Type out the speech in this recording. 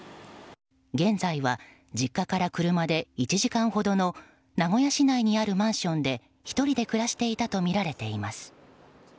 現在は実家から車で１時間ほどの名古屋市内にあるマンションで１人で暮らしていたとみられています。